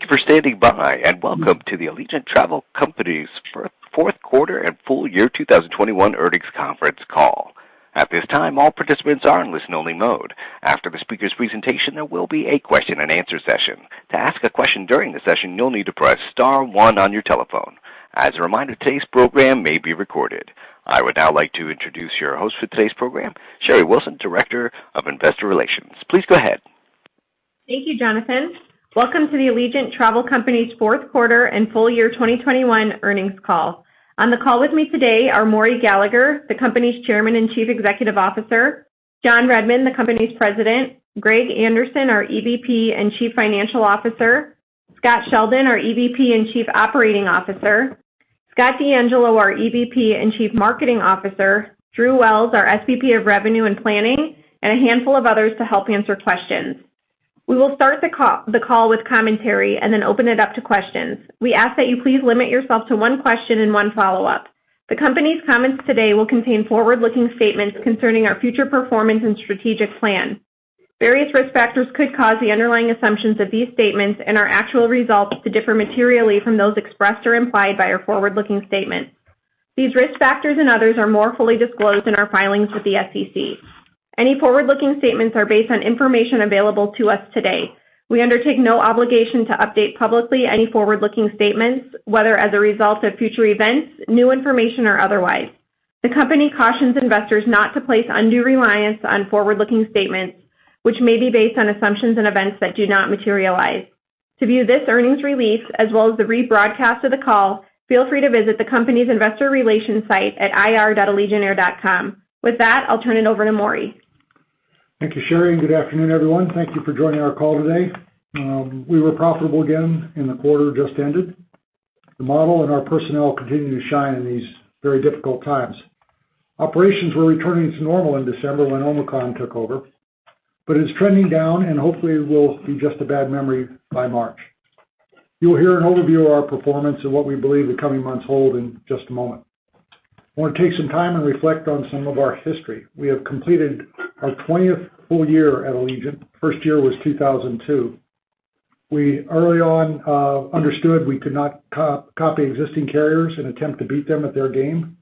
Thank you for standing by, and welcome to the Allegiant Travel Company's Q4 and Full Year 2021 Earnings Conference Call. At this time, all participants are in listen only mode. After the speaker's presentation, there will be a question and answer session. To ask a question during the session, you'll need to press star one on your telephone. As a reminder, today's program may be recorded. I would now like to introduce your host for today's program, Sherry Wilson, Director of Investor Relations. Please go ahead. Thank you, Jonathan. Welcome to the Allegiant Travel Company's Q4 and full year 2021 earnings call. On the call with me today are Maury Gallagher, the company's Chairman and Chief Executive Officer, John Redmond, the company's President, Greg Anderson, our EVP and Chief Financial Officer, Scott Sheldon, our EVP and Chief Operating Officer, Scott DeAngelo, our EVP and Chief Marketing Officer, Drew Wells, our SVP of Revenue and Planning, and a handful of others to help answer questions. We will start the call with commentary and then open it up to questions. We ask that you please limit yourself to one question and one follow-up. The company's comments today will contain forward-looking statements concerning our future performance and strategic plan. Various risk factors could cause the underlying assumptions of these statements and our actual results to differ materially from those expressed or implied by our forward-looking statements. These risk factors and others are more fully disclosed in our filings with the SEC. Any forward-looking statements are based on information available to us today. We undertake no obligation to update publicly any forward-looking statements, whether as a result of future events, new information or otherwise. The company cautions investors not to place undue reliance on forward-looking statements which may be based on assumptions and events that do not materialize. To view this earnings release as well as the rebroadcast of the call, feel free to visit the company's investor relations site at ir.allegiantair.com. With that, I'll turn it over to Maury. Thank you, Sherry, and good afternoon, everyone. Thank you for joining our call today. We were profitable again in the quarter just ended. The model and our personnel continue to shine in these very difficult times. Operations were returning to normal in December when Omicron took over, but it's trending down and hopefully will be just a bad memory by March. You will hear an overview of our performance and what we believe the coming months hold in just a moment. I wanna take some time and reflect on some of our history. We have completed our twentieth full year at Allegiant. First year was 2002. We early on understood we could not copy existing carriers and attempt to beat them at their game.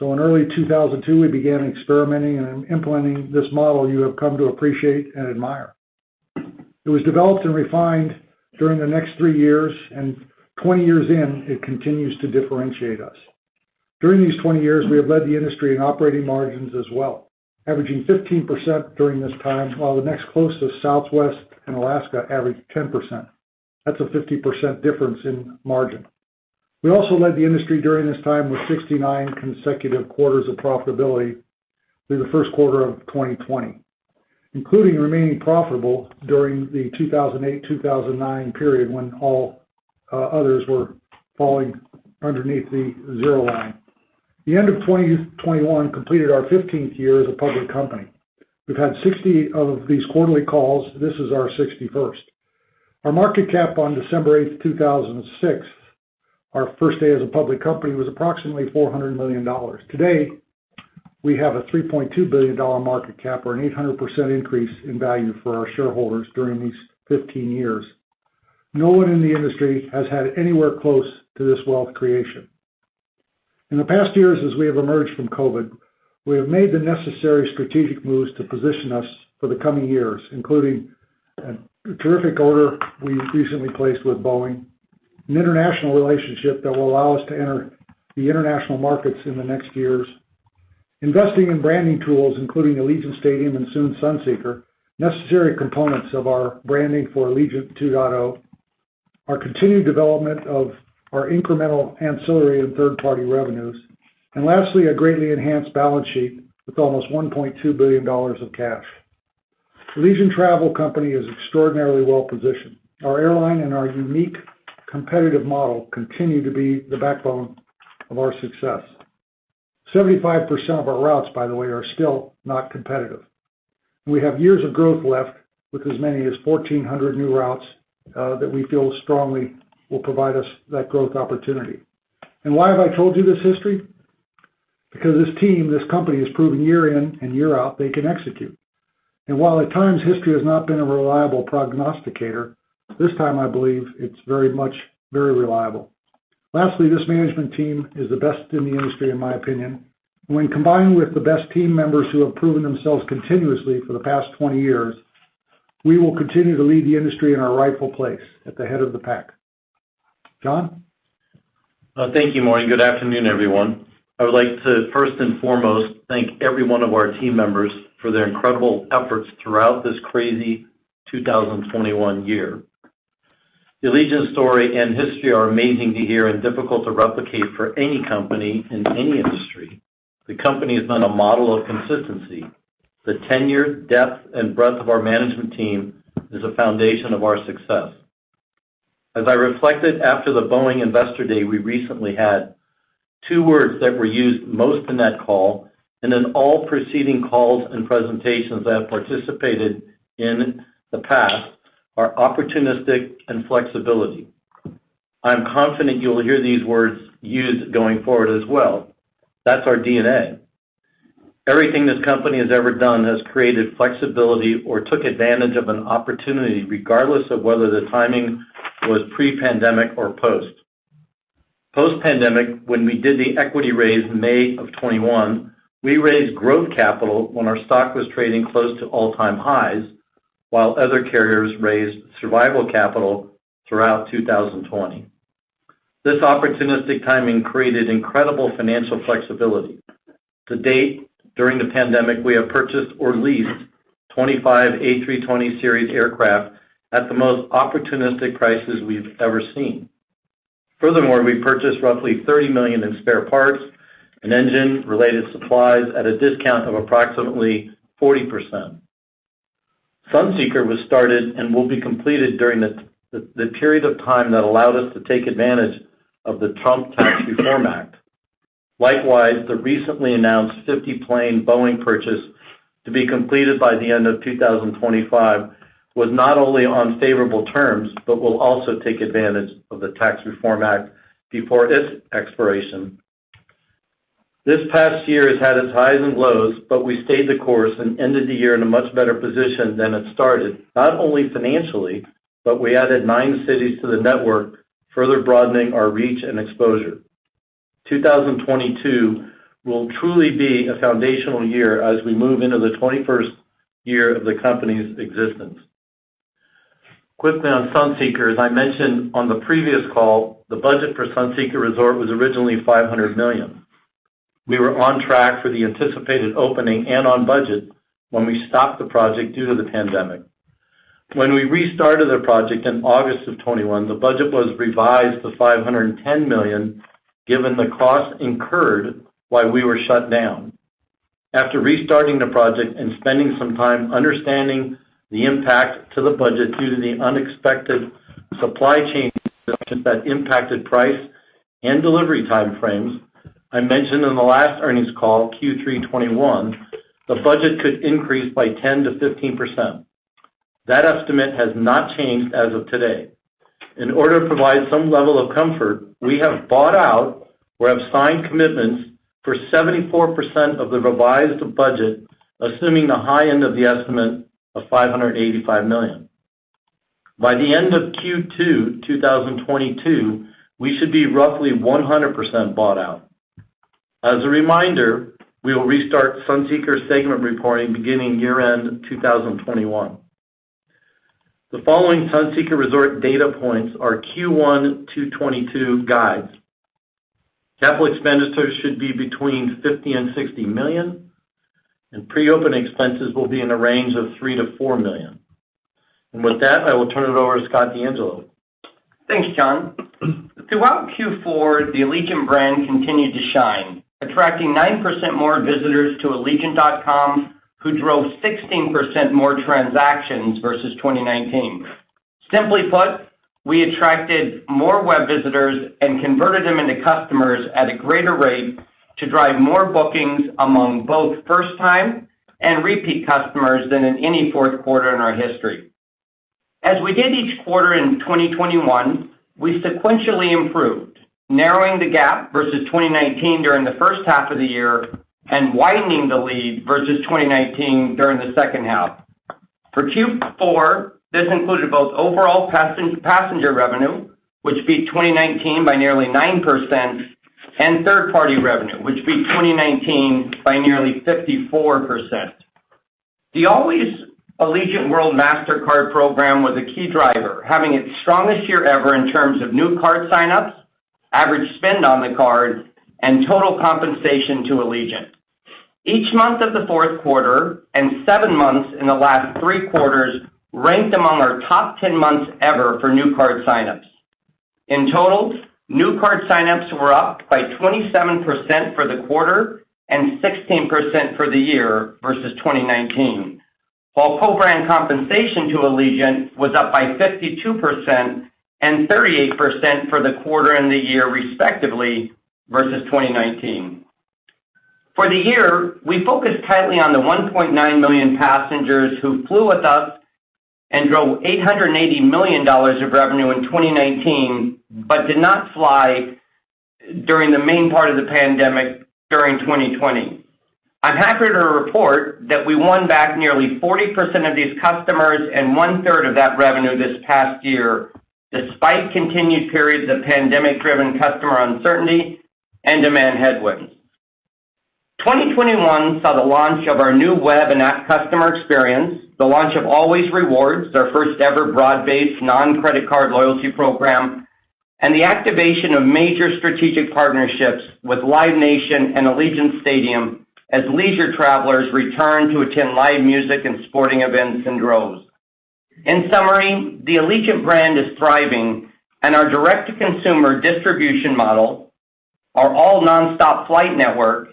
In early 2002, we began experimenting and implementing this model you have come to appreciate and admire. It was developed and refined during the next three years, and 20 years in, it continues to differentiate us. During these 20 years, we have led the industry in operating margins as well, averaging 15% during this time, while the next closest, Southwest and Alaska, average 10%. That's a 50% difference in margin. We also led the industry during this time with 69 consecutive quarters of profitability through the Q1 of 2020, including remaining profitable during the 2008, 2009 period when all others were falling underneath the zero line. The end of 2021 completed our 15th year as a public company. We've had 60 of these quarterly calls. This is our 61st. Our market cap on December 8, 2006, our first day as a public company, was approximately $400 million. Today, we have a $3.2 billion market cap or an 800% increase in value for our shareholders during these 15 years. No one in the industry has had anywhere close to this wealth creation. In the past years, as we have emerged from COVID, we have made the necessary strategic moves to position us for the coming years, including a terrific order we recently placed with Boeing, an international relationship that will allow us to enter the international markets in the next years, investing in branding tools, including Allegiant Stadium and soon Sunseeker, necessary components of our branding for Allegiant 2.0, our continued development of our incremental ancillary and third-party revenues, and lastly, a greatly enhanced balance sheet with almost $1.2 billion of cash. Allegiant Travel Company is extraordinarily well-positioned. Our airline and our unique competitive model continue to be the backbone of our success. 75% of our routes, by the way, are still not competitive. We have years of growth left with as many as 1,400 new routes that we feel strongly will provide us that growth opportunity. Why have I told you this history? Because this team, this company, has proven year in and year out they can execute. While at times history has not been a reliable prognosticator, this time I believe it's very much very reliable. Lastly, this management team is the best in the industry, in my opinion. When combined with the best team members who have proven themselves continuously for the past 20 years, we will continue to lead the industry in our rightful place, at the head of the pack. John? Thank you, Maury, and good afternoon, everyone. I would like to first and foremost thank every one of our team members for their incredible efforts throughout this crazy 2021 year. The Allegiant story and history are amazing to hear and difficult to replicate for any company in any industry. The company has been a model of consistency. The tenure, depth and breadth of our management team is the foundation of our success. As I reflected after the Boeing Investor Day we recently had, two words that were used most in that call, and in all preceding calls and presentations I have participated in the past, are opportunistic and flexibility. I'm confident you'll hear these words used going forward as well. That's our DNA. Everything this company has ever done has created flexibility or took advantage of an opportunity, regardless of whether the timing was pre-pandemic or post. Post-pandemic, when we did the equity raise in May 2021, we raised growth capital when our stock was trading close to all-time highs, while other carriers raised survival capital throughout 2020. This opportunistic timing created incredible financial flexibility. To date, during the pandemic, we have purchased or leased 25 A320 series aircraft at the most opportunistic prices we've ever seen. Furthermore, we purchased roughly $30 million in spare parts and engine related supplies at a discount of approximately 40%. Sunseeker was started and will be completed during the period of time that allowed us to take advantage of the Trump Tax Reform Act. Likewise, the recently announced 50-plane Boeing purchase to be completed by the end of 2025 was not only on favorable terms, but will also take advantage of the Tax Reform Act before its expiration. This past year has had its highs and lows, but we stayed the course and ended the year in a much better position than it started, not only financially, but we added nine cities to the network, further broadening our reach and exposure. 2022 will truly be a foundational year as we move into the twenty-first year of the company's existence. Quickly on Sunseeker, as I mentioned on the previous call, the budget for Sunseeker Resort was originally $500 million. We were on track for the anticipated opening and on budget when we stopped the project due to the pandemic. When we restarted the project in August 2021, the budget was revised to $510 million, given the costs incurred while we were shut down. After restarting the project and spending some time understanding the impact to the budget due to the unexpected supply chain disruptions that impacted price and delivery time frames, I mentioned on the last earnings call, Q3 2021, the budget could increase by 10%-15%. That estimate has not changed as of today. In order to provide some level of comfort, we have bought out or have signed commitments for 74% of the revised budget, assuming the high end of the estimate of $585 million. By the end of Q2 2022, we should be roughly 100% bought out. As a reminder, we will restart Sunseeker Resort segment reporting beginning year-end 2021. The following Sunseeker Resort data points are Q1 2022 guides. Capital expenditures should be between $50 million and $60 million, and pre-opening expenses will be in a range of $3 million-$4 million. With that, I will turn it over to Scott DeAngelo. Thanks, John. Throughout Q4, the Allegiant brand continued to shine, attracting 9% more visitors to allegiant.com, who drove 16% more transactions versus 2019. Simply put, we attracted more web visitors and converted them into customers at a greater rate to drive more bookings among both first-time and repeat customers than in any Q4 in our history. As we did each quarter in 2021, we sequentially improved, narrowing the gap versus 2019 during the H1 of the year and widening the lead versus 2019 during the H2. For Q4, this included both overall passenger revenue, which beat 2019 by nearly 9%, and third-party revenue, which beat 2019 by nearly 54%. The Allways Allegiant World Mastercard program was a key driver, having its strongest year ever in terms of new card sign-ups, average spend on the card, and total compensation to Allegiant. Each month of the Q4 and seven months in the last three quarters ranked among our top 10 months ever for new card sign-ups. In total, new card sign-ups were up by 27% for the quarter and 16% for the year versus 2019, while program compensation to Allegiant was up by 52% and 38% for the quarter and the year respectively versus 2019. For the year, we focused tightly on the 1.9 million passengers who flew with us and drove $880 million of revenue in 2019 but did not fly during the main part of the pandemic during 2020. I'm happy to report that we won back nearly 40% of these customers and 1/3 of that revenue this past year, despite continued periods of pandemic-driven customer uncertainty and demand headwinds. 2021 saw the launch of our new web and app customer experience, the launch of Allways Rewards, our first ever broad-based non-credit card loyalty program, and the activation of major strategic partnerships with Live Nation and Allegiant Stadium as leisure travelers returned to attend live music and sporting events in droves. In summary, the Allegiant brand is thriving and our direct-to-consumer distribution model, our all nonstop flight network,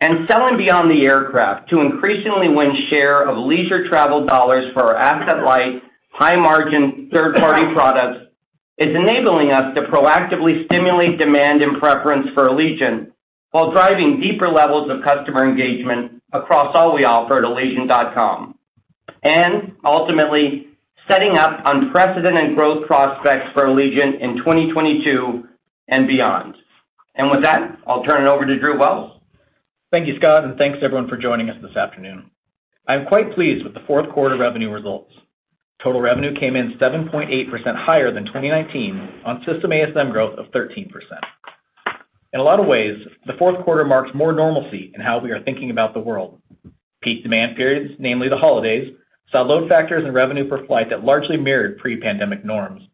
and selling beyond the aircraft to increasingly win share of leisure travel dollars for our asset-light, high-margin, third-party products is enabling us to proactively stimulate demand and preference for Allegiant while driving deeper levels of customer engagement across all we offer at allegiant.com. Ultimately, setting up unprecedented growth prospects for Allegiant in 2022 and beyond. With that, I'll turn it over to Drew Wells. Thank you, Scott, and thanks everyone for joining us this afternoon. I'm quite pleased with the Q4 revenue results. Total revenue came in 7.8% higher than 2019 on system ASM growth of 13%. In a lot of ways, the Q4 marks more normalcy in how we are thinking about the world. Peak demand periods, namely the holidays, saw load factors and revenue per flight that largely mirrored pre-pandemic norms.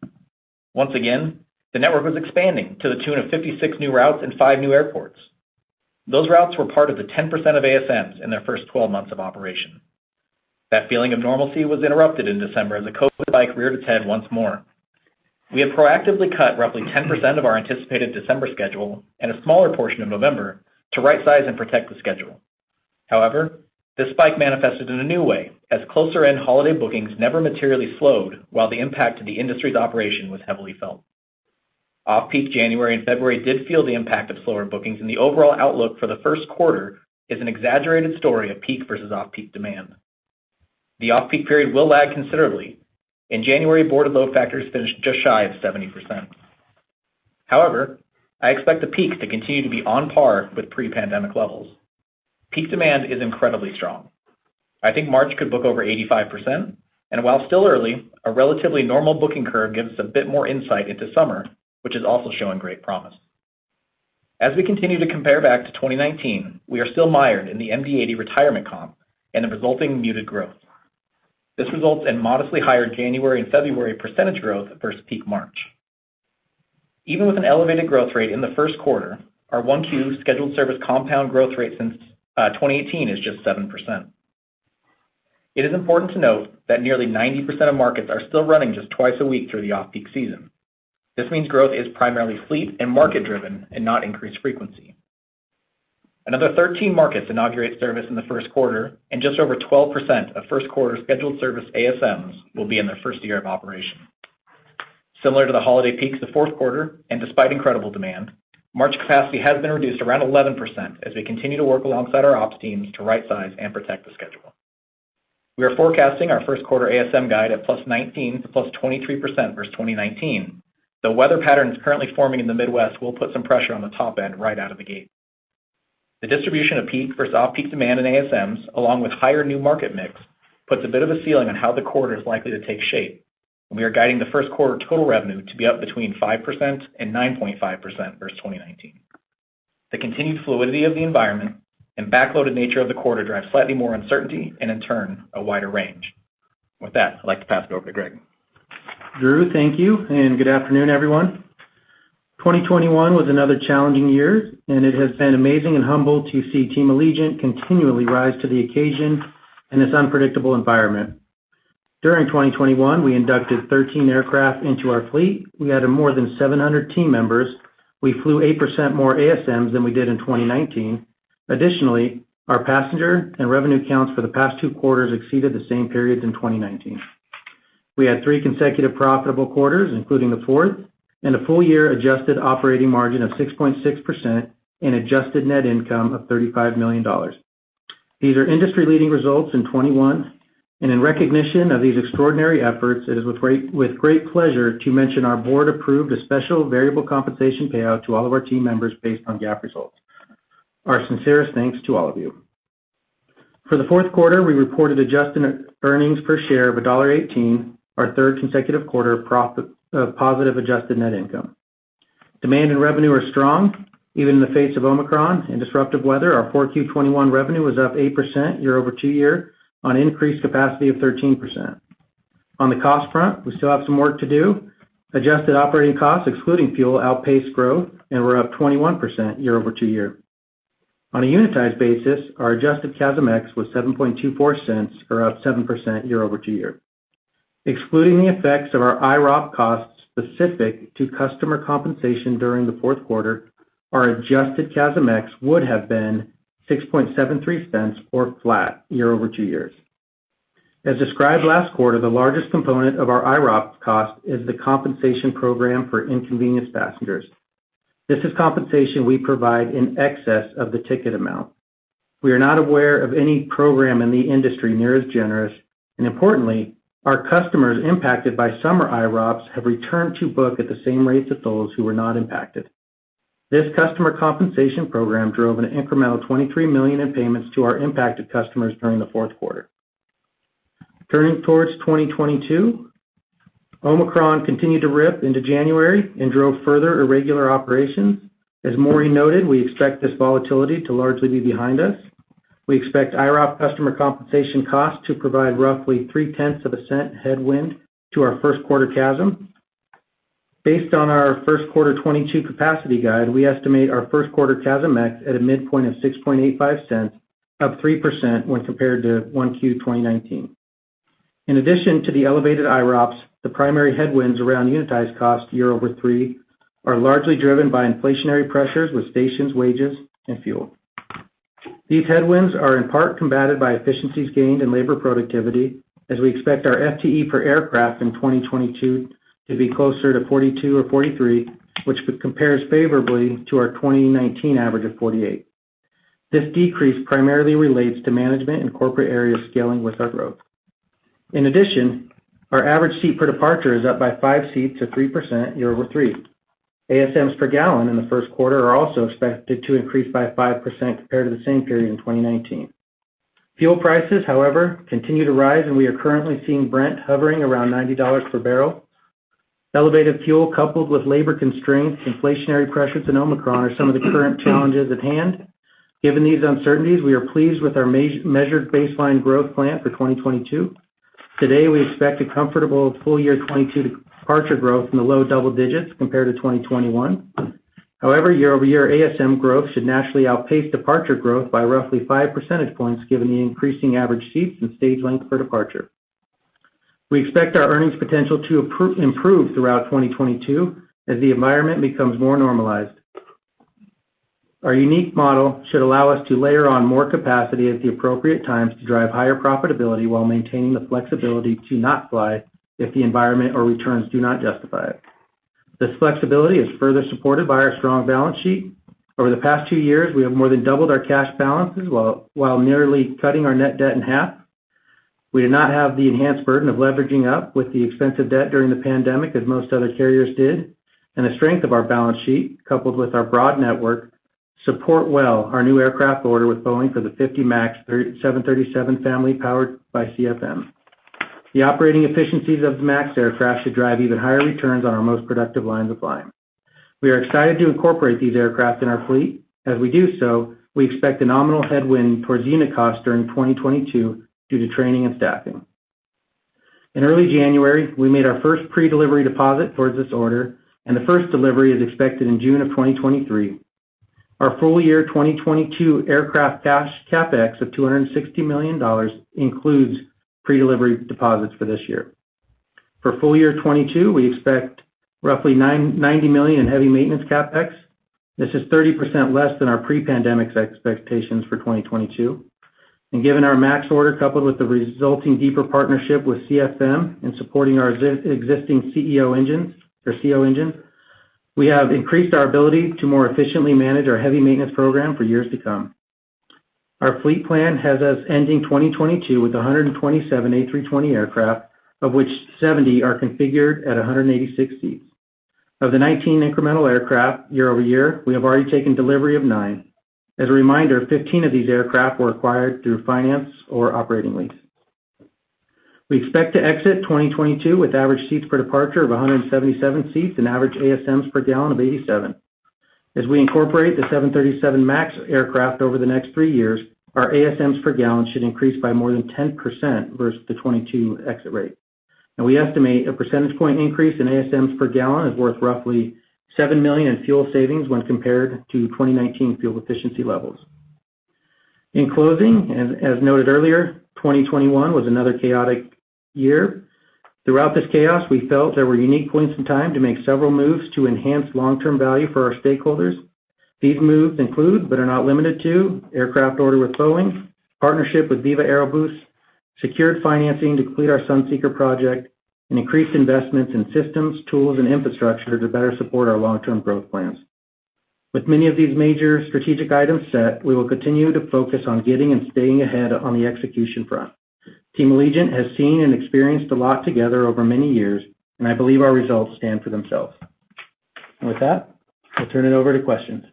Once again, the network was expanding to the tune of 56 new routes and 5 new airports. Those routes were part of the 10% of ASMs in their first 12 months of operation. That feeling of normalcy was interrupted in December as a COVID spike reared its head once more. We have proactively cut roughly 10% of our anticipated December schedule and a smaller portion of November to right-size and protect the schedule. However, this spike manifested in a new way, as closer-end holiday bookings never materially slowed while the impact to the industry's operation was heavily felt. Off-peak January and February did feel the impact of slower bookings, and the overall outlook for the Q1 is an exaggerated story of peak versus off-peak demand. The off-peak period will lag considerably. In January, load factors finished just shy of 70%. However, I expect the peak to continue to be on par with pre-pandemic levels. Peak demand is incredibly strong. I think March could book over 85%, and while still early, a relatively normal booking curve gives us a bit more insight into summer, which is also showing great promise. As we continue to compare back to 2019, we are still mired in the MD-80 retirement comp and the resulting muted growth. This results in modestly higher January and February percentage growth versus peak March. Even with an elevated growth rate in the Q1, our 1Q scheduled service compound growth rate since 2018 is just 7%. It is important to note that nearly 90% of markets are still running just twice a week through the off-peak season. This means growth is primarily fleet and market-driven and not increased frequency. Another 13 markets inaugurate service in the Q1, and just over 12% of Q1 scheduled service ASMs will be in their first year of operation. Similar to the holiday peaks of Q4, and despite incredible demand, March capacity has been reduced around 11% as we continue to work alongside our ops teams to right-size and protect the schedule. We are forecasting our Q1 ASM guide at +19%-+23% versus 2019. The weather patterns currently forming in the Midwest will put some pressure on the top end right out of the gate. The distribution of peak versus off-peak demand in ASMs, along with higher new market mix, puts a bit of a ceiling on how the quarter is likely to take shape, and we are guiding the first quarter total revenue to be up between 5% and 9.5% versus 2019. The continued fluidity of the environment and backloaded nature of the quarter drive slightly more uncertainty and in turn, a wider range. With that, I'd like to pass it over to Greg. Drew, thank you, and good afternoon, everyone. 2021 was another challenging year, and it has been amazing and humble to see Team Allegiant continually rise to the occasion in this unpredictable environment. During 2021, we inducted 13 aircraft into our fleet. We added more than 700 team members. We flew 8% more ASMs than we did in 2019. Additionally, our passenger and revenue counts for the past two quarters exceeded the same periods in 2019. We had three consecutive profitable quarters, including the fourth, and a full year adjusted operating margin of 6.6% and adjusted net income of $35 million. These are industry-leading results in 2021, and in recognition of these extraordinary efforts, it is with great pleasure to mention our board approved a special variable compensation payout to all of our team members based on GAAP results. Our sincerest thanks to all of you. For the Q4, we reported adjusted earnings per share of $1.18, our third consecutive quarter profit, positive adjusted net income. Demand and revenue are strong, even in the face of Omicron and disruptive weather. Our 4Q 2021 revenue was up 8% year-over-year on increased capacity of 13%. On the cost front, we still have some work to do. Adjusted operating costs excluding fuel outpaced growth, and we're up 21% year-over-year. On a unitized basis, our adjusted CASM-x was $0.0724 or up 7% year-over-year. Excluding the effects of our IROP costs specific to customer compensation during the Q4, our adjusted CASM-x would have been $0.0673 or flat year-over-year. As described last quarter, the largest component of our IROP cost is the compensation program for inconvenienced passengers. This is compensation we provide in excess of the ticket amount. We are not aware of any program in the industry near as generous, and importantly, our customers impacted by summer IROPS have returned to book at the same rates as those who were not impacted. This customer compensation program drove an incremental $23 million in payments to our impacted customers during the Q4. Turning towards 2022, Omicron continued to rip into January and drove further irregular operations. As Maury noted, we expect this volatility to largely be behind us. We expect IROP customer compensation costs to provide roughly $0.0003 headwind to our Q1 CASM. Based on our Q1 2022 capacity guide, we estimate our Q1 CASM-ex at a midpoint of $0.0685, up 3% when compared to 1Q 2019. In addition to the elevated IROPS, the primary headwinds around unitized cost year-over-year are largely driven by inflationary pressures with stations, wages, and fuel. These headwinds are in part combated by efficiencies gained in labor productivity, as we expect our FTE per aircraft in 2022 to be closer to 42 or 43, which compares favorably to our 2019 average of 48. This decrease primarily relates to management and corporate areas scaling with our growth. In addition, our average seat per departure is up by five seats, 3% year-over-year. ASMs per gallon in the Q1 are also expected to increase by 5% compared to the same period in 2019. Fuel prices, however, continue to rise, and we are currently seeing Brent hovering around $90 per barrel. Elevated fuel coupled with labor constraints, inflationary pressures, and Omicron are some of the current challenges at hand. Given these uncertainties, we are pleased with our measured baseline growth plan for 2022. Today, we expect a comfortable full year 2022 departure growth in the low double digits compared to 2021. However, year-over-year ASM growth should naturally outpace departure growth by roughly 5 percentage points given the increasing average seats and stage length per departure. We expect our earnings potential to improve throughout 2022 as the environment becomes more normalized. Our unique model should allow us to layer on more capacity at the appropriate times to drive higher profitability while maintaining the flexibility to not fly if the environment or returns do not justify it. This flexibility is further supported by our strong balance sheet. Over the past two years, we have more than doubled our cash balances while nearly cutting our net debt in half. We do not have the enhanced burden of leveraging up with the expensive debt during the pandemic, as most other carriers did, and the strength of our balance sheet, coupled with our broad network, support well our new aircraft order with Boeing for the 50 737 MAX family powered by CFM. The operating efficiencies of the MAX aircraft should drive even higher returns on our most productive lines of flying. We are excited to incorporate these aircraft in our fleet. As we do so, we expect a nominal headwind towards unit cost during 2022 due to training and staffing. In early January, we made our first predelivery deposit towards this order, and the first delivery is expected in June of 2023. Our full year 2022 aircraft CapEx of $260 million includes predelivery deposits for this year. For full year 2022, we expect roughly $90 million in heavy maintenance CapEx. This is 30% less than our pre-pandemic expectations for 2022. Given our MAX order, coupled with the resulting deeper partnership with CFM in supporting our existing CEO engines or CEO engines, we have increased our ability to more efficiently manage our heavy maintenance program for years to come. Our fleet plan has us ending 2022 with 127 A320 aircraft, of which 70 are configured at 186 seats. Of the 19 incremental aircraft year-over-year, we have already taken delivery of nine. As a reminder, 15 of these aircraft were acquired through finance or operating lease. We expect to exit 2022 with average seats per departure of 177 seats and average ASMs per gallon of 87. As we incorporate the 737 MAX aircraft over the next three years, our ASMs per gallon should increase by more than 10% versus the 2022 exit rate. We estimate a percentage point increase in ASMs per gallon is worth roughly $7 million in fuel savings when compared to 2019 fuel efficiency levels. In closing, as noted earlier, 2021 was another chaotic year. Throughout this chaos, we felt there were unique points in time to make several moves to enhance long-term value for our stakeholders. These moves include, but are not limited to, aircraft order with Boeing, partnership with Viva Aerobus, secured financing to complete our Sunseeker project, and increased investments in systems, tools, and infrastructure to better support our long-term growth plans. With many of these major strategic items set, we will continue to focus on getting and staying ahead on the execution front. Team Allegiant has seen and experienced a lot together over many years, and I believe our results stand for themselves. With that, I'll turn it over to questions.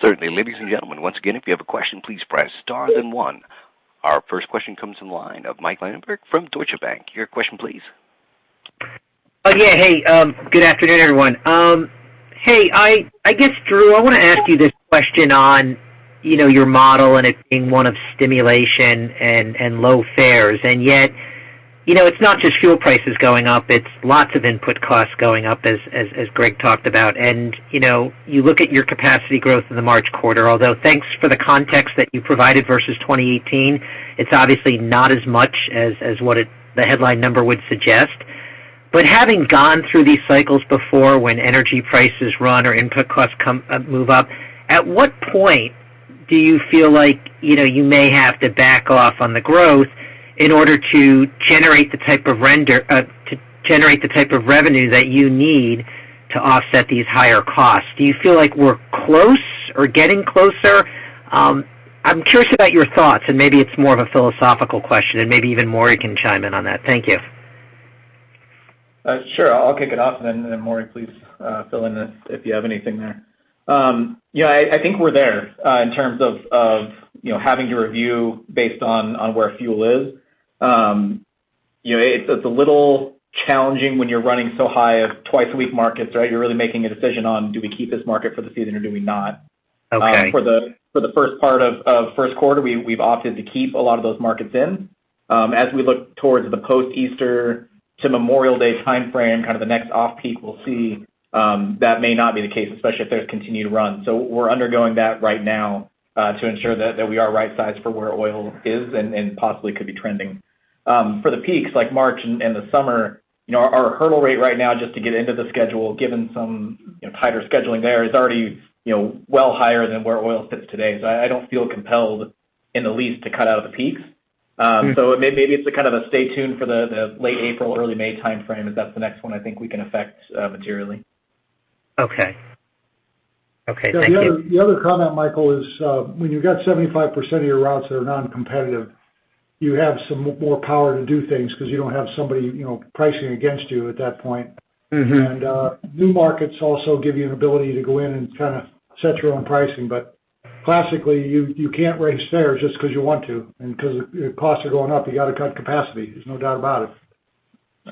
Certainly. Ladies and gentlemen, once again, if you have a question, please press star then one. Our first question comes from the line of Michael Linenberg from Deutsche Bank. Your question, please. Yeah. Hey, good afternoon, everyone. Hey, I guess, Drew, I wanna ask you this question on, you know, your model and it being one of stimulation and low fares. You know, it's not just fuel prices going up, it's lots of input costs going up as Greg talked about. You know, you look at your capacity growth in the March quarter, although thanks for the context that you provided versus 2018, it's obviously not as much as what the headline number would suggest. Having gone through these cycles before when energy prices run or input costs come, move up, at what point do you feel like, you know, you may have to back off on the growth in order to generate the type of return to generate the type of revenue that you need to offset these higher costs? Do you feel like we're close or getting closer? I'm curious about your thoughts, and maybe it's more of a philosophical question, and maybe even Maury can chime in on that. Thank you. Sure. I'll kick it off, and then Maury, please, fill in if you have anything there. Yeah, I think we're there in terms of you know, having to review based on where fuel is. You know, it's a little challenging when you're running so high of twice a week markets, right? You're really making a decision on do we keep this market for the season or do we not? Okay. For the first part of Q1, we've opted to keep a lot of those markets in. As we look towards the post-Easter to Memorial Day timeframe, kind of the next off-peak we'll see, that may not be the case, especially if there's continued run. We're undergoing that right now to ensure that we are right-sized for where oil is and possibly could be trending. For the peaks like March and the summer, you know, our hurdle rate right now just to get into the schedule, given some, you know, tighter scheduling there, is already, you know, well higher than where oil sits today. I don't feel compelled in the least to cut out the peaks. Maybe it's a kind of a stay tuned for the late April, early May timeframe, if that's the next one I think we can affect materially. Okay. Thank you. The other comment, Michael, is when you've got 75% of your routes that are non-competitive, you have some more power to do things because you don't have somebody, you know, pricing against you at that point. Mm-hmm. New markets also give you an ability to go in and kinda set your own pricing. Classically, you can't raise fares just 'cause you want to. 'Cause if costs are going up, you gotta cut capacity. There's no doubt about it.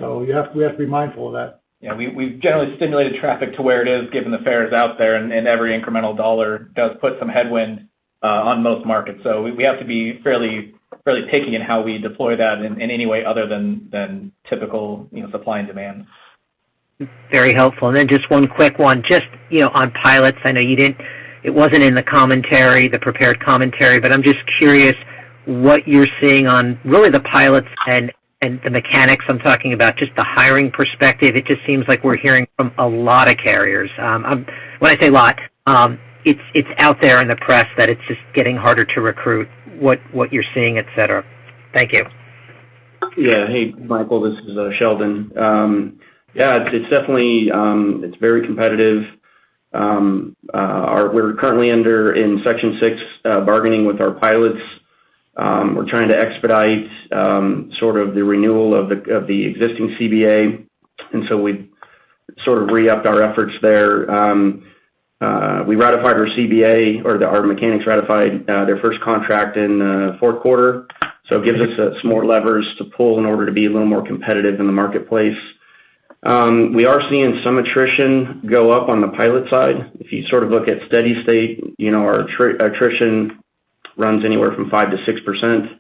We have to be mindful of that. Yeah, we've generally stimulated traffic to where it is given the fares out there, and every incremental dollar does put some headwind on most markets. So we have to be fairly picky in how we deploy that in any way other than typical, you know, supply and demand. Very helpful. Just one quick one. Just, you know, on pilots, I know it wasn't in the commentary, the prepared commentary, but I'm just curious what you're seeing on really the pilots and the mechanics. I'm talking about just the hiring perspective. It just seems like we're hearing from a lot of carriers. When I say lot, it's out there in the press that it's just getting harder to recruit what you're seeing, et cetera. Thank you. Yeah. Hey, Michael, this is Sheldon. Yeah, it's definitely very competitive. We're currently in Section 6 bargaining with our pilots. We're trying to expedite sort of the renewal of the existing CBA. We sort of re-upped our efforts there. Our mechanics ratified their first contract in Q4. It gives us some more levers to pull in order to be a little more competitive in the marketplace. We are seeing some attrition go up on the pilot side. If you sort of look at steady state, you know, our attrition runs anywhere from 5%-6%.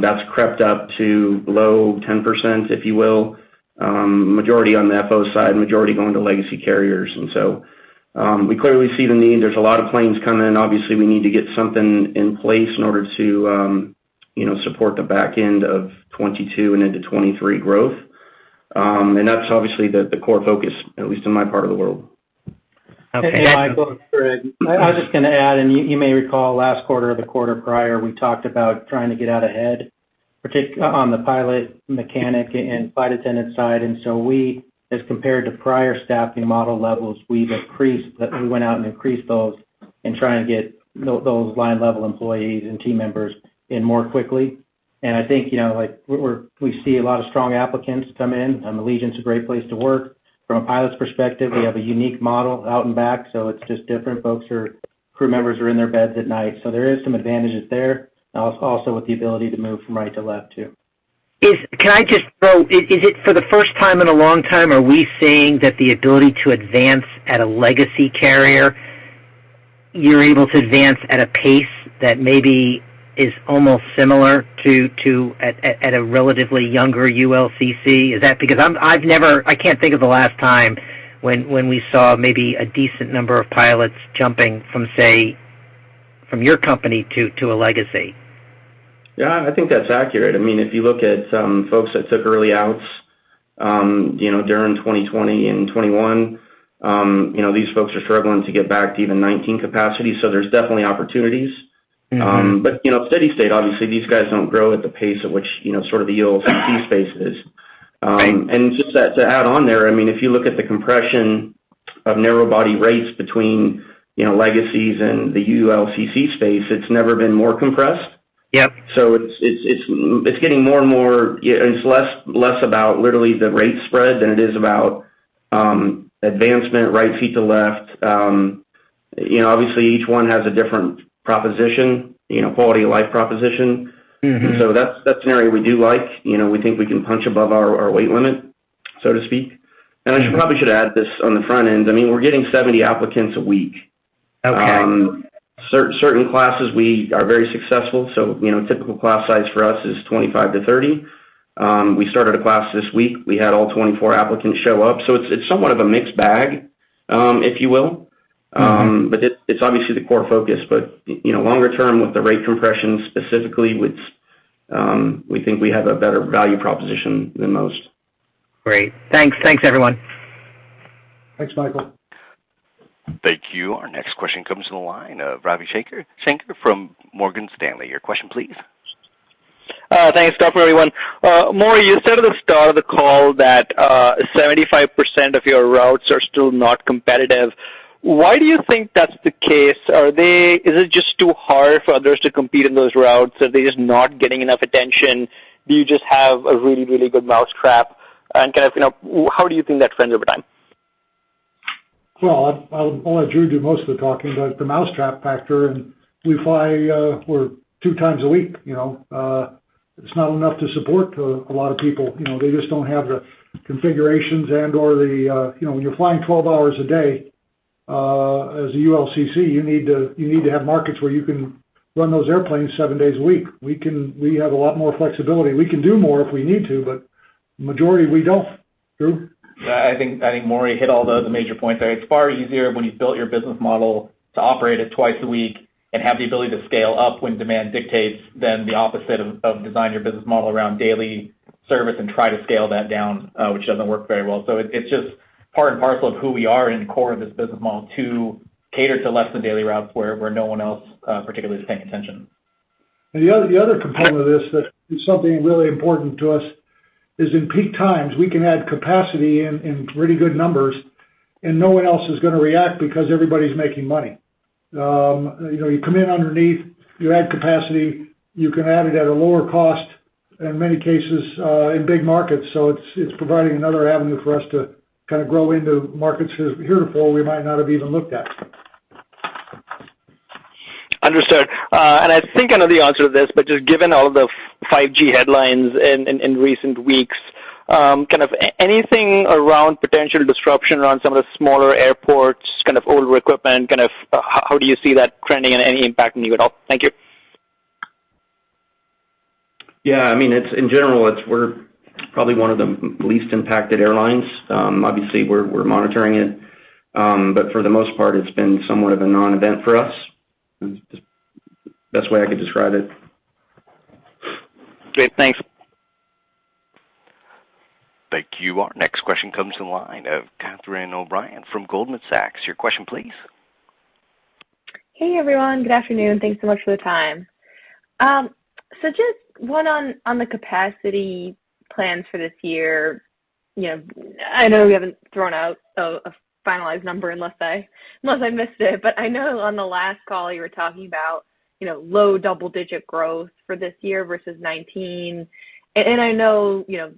That's crept up to below 10%, if you will. Majority on the FO side, majority going to legacy carriers. We clearly see the need. There's a lot of planes coming in. Obviously, we need to get something in place in order to, you know, support the back end of 2022 and into 2023 growth. That's obviously the core focus, at least in my part of the world. Okay. Hey, Michael, it's Greg. I was just gonna add, and you may recall last quarter or the quarter prior, we talked about trying to get out ahead on the pilot, mechanic, and flight attendant side. We, as compared to prior staffing model levels, we went out and increased those and try and get those line-level employees and team members in more quickly. I think, you know, like we see a lot of strong applicants come in, and Allegiant is a great place to work. From a pilot's perspective, we have a unique model out and back, so it's just different. Crew members are in their beds at night. There is some advantages there. Also with the ability to move from right to left too. Is it for the first time in a long time, are we seeing that the ability to advance at a legacy carrier, you're able to advance at a pace that maybe is almost similar to a relatively younger ULCC? Is that? Because I've never, I can't think of the last time when we saw maybe a decent number of pilots jumping from, say, your company to a legacy. Yeah, I think that's accurate. I mean, if you look at some folks that took early outs, you know, during 2020 and 2021, you know, these folks are struggling to get back to even 2019 capacity. There's definitely opportunities. Mm-hmm. You know, steady-state, obviously, these guys don't grow at the pace at which, you know, sort of the ULCC space is. Just to add on there, I mean, if you look at the compression of narrow body rates between, you know, legacies and the ULCC space, it's never been more compressed. Yep. It's getting more and more. It's less about literally the rate spread than it is about advancement, right seat to left. You know, obviously, each one has a different proposition, you know, quality of life proposition. Mm-hmm. That's an area we do like. You know, we think we can punch above our weight limit, so to speak. Mm-hmm. I probably should add this on the front end. I mean, we're getting 70 applicants a week. Okay. Certain classes, we are very successful. You know, typical class size for us is 25-30. We started a class this week. We had all 24 applicants show up. It's somewhat of a mixed bag, if you will. Mm-hmm. It's obviously the core focus. You know, longer term, with the rate compression specifically, which we think we have a better value proposition than most. Great. Thanks. Thanks, everyone. Thanks, Michael. Thank you. Our next question comes from the line of Ravi Shanker from Morgan Stanley. Your question, please. Thanks. Good afternoon, everyone. Maury, you said at the start of the call that 75% of your routes are still not competitive. Why do you think that's the case? Are they, is it just too hard for others to compete in those routes? Are they just not getting enough attention? Do you just have a really, really good mousetrap? Kind of, you know, how do you think that trends over time? Well, I'll let Drew do most of the talking, but the mousetrap factor, and we fly, we're two times a week, you know. It's not enough to support a lot of people. You know, they just don't have the configurations and/or the, you know, when you're flying 12 hours a day, as a ULCC, you need to have markets where you can run those airplanes seven days a week. We can have a lot more flexibility. We can do more if we need to, but majority, we don't. Drew? Yeah, I think Maury hit all the major points there. It's far easier when you've built your business model to operate it twice a week and have the ability to scale up when demand dictates than the opposite of design your business model around daily. Service and try to scale that down, which doesn't work very well. It's just part and parcel of who we are at the core of this business model to cater to less than daily routes where no one else particularly is paying attention. The other component of this that is something really important to us is in peak times, we can add capacity in pretty good numbers, and no one else is gonna react because everybody's making money. You know, you come in underneath, you add capacity, you can add it at a lower cost in many cases in big markets. It's providing another avenue for us to kind of grow into markets where we might not have even looked at. Understood. I think I know the answer to this, but just given all of the 5G headlines in recent weeks, kind of anything around potential disruption around some of the smaller airports, kind of older equipment, kind of how do you see that trending and any impact on you at all? Thank you. Yeah, I mean, in general, we're probably one of the least impacted airlines. Obviously, we're monitoring it. But for the most part, it's been somewhat of a non-event for us. That's the best way I could describe it. Okay, thanks. Thank you. Our next question comes from the line of Catherine O'Brien from Goldman Sachs. Your question, please. Hey, everyone. Good afternoon. Thanks so much for the time. So just one on the capacity plans for this year. You know, I know we haven't thrown out a finalized number unless I missed it, but I know on the last call you were talking about, you know, low double-digit growth for this year versus 2019. I know, you know,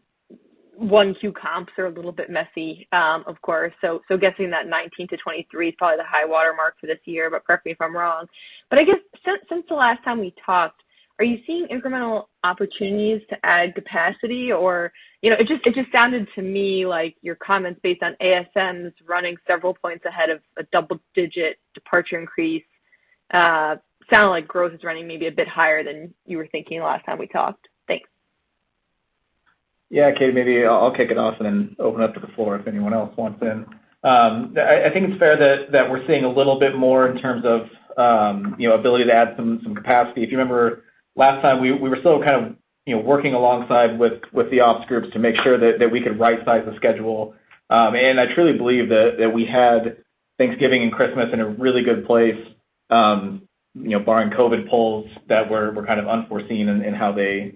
1Q comps are a little bit messy, of course. Guessing that 2019 to 2023 is probably the high watermark for this year, but correct me if I'm wrong. I guess since the last time we talked, are you seeing incremental opportunities to add capacity or, you know? It just sounded to me like your comments based on ASMs running several points ahead of a double-digit departure increase sounded like growth is running maybe a bit higher than you were thinking last time we talked. Thanks. Yeah. Katie, maybe I'll kick it off and then open up to the floor if anyone else wants in. I think it's fair that we're seeing a little bit more in terms of you know, ability to add some capacity. If you remember last time, we were still kind of you know, working alongside with the ops groups to make sure that we could right size the schedule. I truly believe that we had Thanksgiving and Christmas in a really good place, you know, barring COVID crew pools that were kind of unforeseen in how they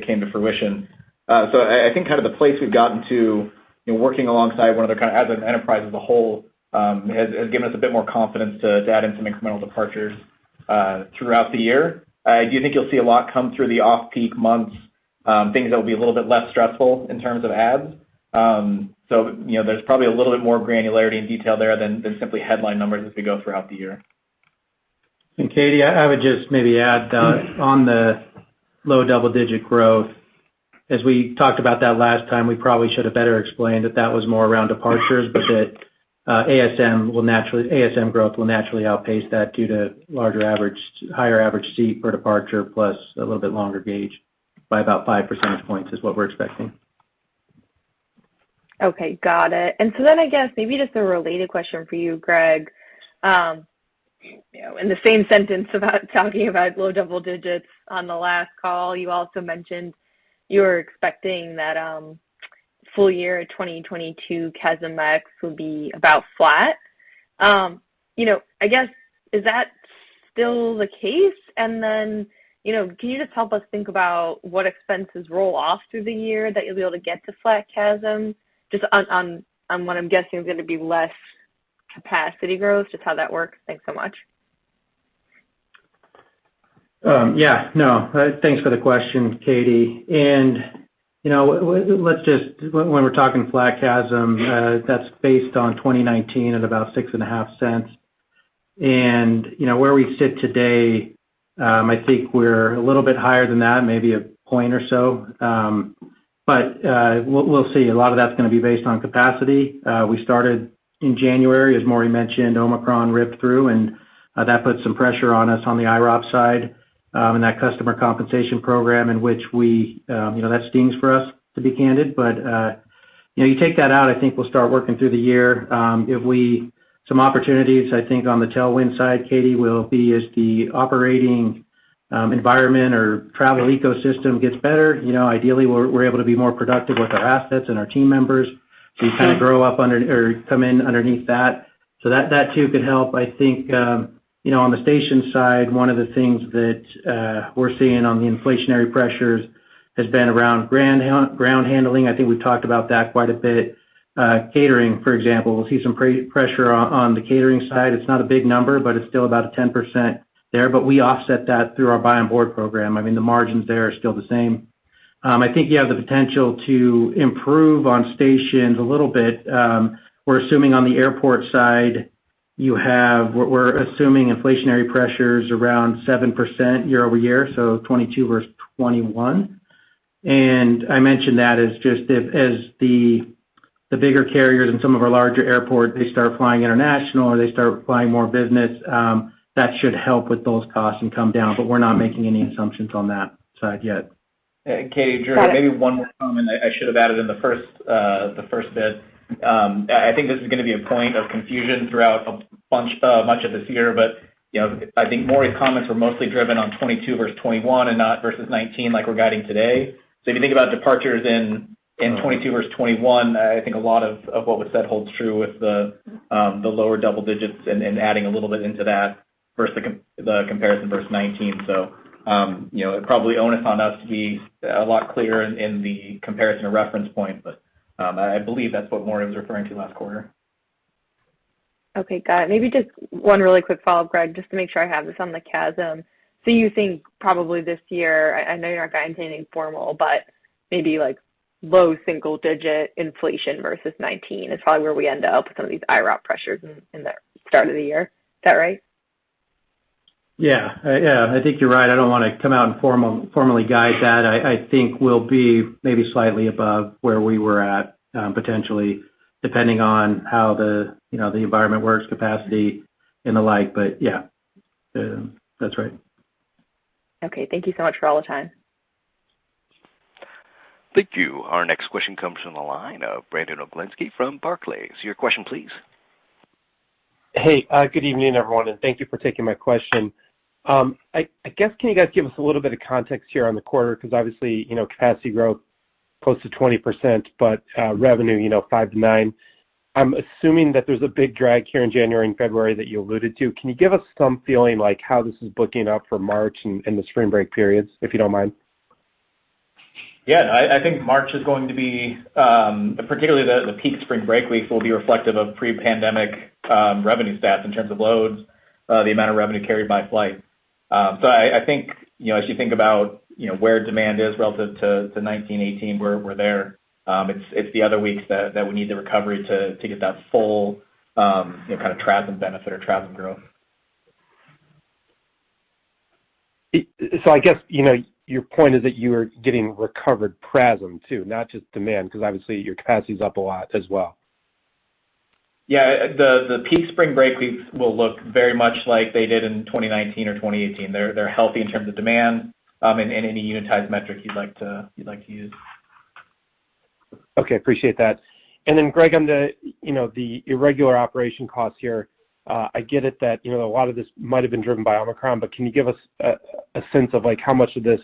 came to fruition. I think kind of the place we've gotten to in working alongside one of the kind of as an enterprise as a whole has given us a bit more confidence to add in some incremental departures throughout the year. I do think you'll see a lot come through the off-peak months, things that will be a little bit less stressful in terms of adds. You know, there's probably a little bit more granularity and detail there than simply headline numbers as we go throughout the year. Katie, I would just maybe add on the low double-digit growth. As we talked about that last time, we probably should have better explained that that was more around departures, but ASM growth will naturally outpace that due to higher average seat per departure, plus a little bit longer gauge by about 5 percentage points is what we're expecting. Okay. Got it. I guess maybe just a related question for you, Greg. You know, in the same sentence about talking about low double digits on the last call, you also mentioned you were expecting that full year 2022 CASM-ex would be about flat. You know, I guess is that still the case? You know, can you just help us think about what expenses roll off through the year that you'll be able to get to flat CASM just on what I'm guessing is gonna be less capacity growth, just how that works. Thanks so much. Yeah, no, thanks for the question, Katie. You know, when we're talking flat CASM, that's based on 2019 at about $0.65 cents. You know, where we sit today, I think we're a little bit higher than that, maybe a point or so. We'll see. A lot of that's gonna be based on capacity. We started in January, as Maury mentioned. Omicron ripped through, and that put some pressure on us on the IROP side, and that customer compensation program in which we, you know, that stings for us to be candid. You know, you take that out, I think we'll start working through the year. Some opportunities, I think, on the tailwind side, Katie, will be as the operating environment or travel ecosystem gets better. You know, ideally we're able to be more productive with our assets and our team members. You kind of grow up under or come in underneath that. That too could help. I think, you know, on the station side, one of the things that we're seeing on the inflationary pressures has been around ground handling. I think we've talked about that quite a bit. Catering, for example, we'll see some pressure on the catering side. It's not a big number, but it's still about 10% there. We offset that through our buy on board program. I mean, the margins there are still the same. I think you have the potential to improve on stations a little bit. We're assuming on the airport side inflationary pressures around 7% year-over-year, so 2022 versus 2021. I mentioned that as just if the bigger carriers in some of our larger airports start flying international or they start flying more business, that should help with those costs and come down, but we're not making any assumptions on that side yet. Katie, Drew, maybe one more comment I should have added in the first bit. I think this is gonna be a point of confusion throughout much of this year. You know, I think Maury's comments were mostly driven on 2022 versus 2021 and not versus 2019 like we're guiding today. If you think about departures- ...in 2022 versus 2021, I think a lot of what was said holds true with the lower double digits and adding a little bit into that versus the comparison versus 2019. You know, probably onus on us to be a lot clearer in the comparison or reference point, but I believe that's what Maury was referring to last quarter. Okay. Got it. Maybe just one really quick follow-up, Greg, just to make sure I have this on the CASM. You think probably this year, I know you're not guiding anything formal, but maybe like low single digit inflation versus 2019 is probably where we end up with some of these IROP pressures in the start of the year. Is that right? Yeah. Yeah, I think you're right. I don't wanna come out and formally guide that. I think we'll be maybe slightly above where we were at, potentially, depending on how the, you know, the environment works, capacity and the like. Yeah, that's right. Okay. Thank you so much for all the time. Thank you. Our next question comes from the line of Brandon Oglenski from Barclays. Your question please. Hey, good evening, everyone, and thank you for taking my question. I guess, can you guys give us a little bit of context here on the quarter? 'Cause obviously, you know, capacity growth close to 20%, but revenue, you know, 5%-9%. I'm assuming that there's a big drag here in January and February that you alluded to. Can you give us some feeling like how this is booking up for March and the spring break periods, if you don't mind? Yeah. I think March is going to be particularly the peak spring break weeks will be reflective of pre-pandemic revenue stats in terms of loads, the amount of revenue carried by flight. I think, you know, as you think about, you know, where demand is relative to 2019, 2018, we're there. It's the other weeks that we need the recovery to get that full, you know, kind of PRASM benefit or PRASM growth. I guess, you know, your point is that you are getting recovered PRASM too, not just demand, 'cause obviously your capacity is up a lot as well. Yeah. The peak spring break weeks will look very much like they did in 2019 or 2018. They're healthy in terms of demand, and any unitized metric you'd like to use. Okay. Appreciate that. Greg, on the, you know, the irregular operation costs here, I get it that, you know, a lot of this might have been driven by Omicron, but can you give us a sense of like how much of this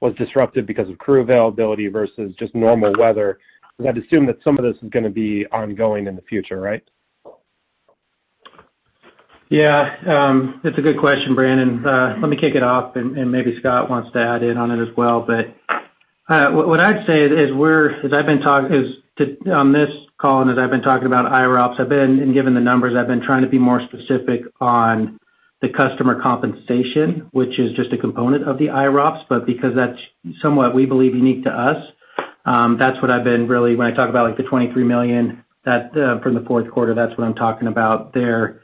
was disrupted because of crew availability versus just normal weather? Because I'd assume that some of this is gonna be ongoing in the future, right? That's a good question, Brandon. Let me kick it off and maybe Scott wants to add in on it as well. What I'd say is as I've been talking about IROPS on this call and as I've been talking about IROPS, and given the numbers, I've been trying to be more specific on the customer compensation, which is just a component of the IROPS. But because that's somewhat, we believe, unique to us, that's what I've been really when I talk about like the $23 million, that from the Q4, that's what I'm talking about there.